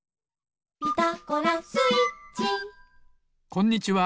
こんにちは。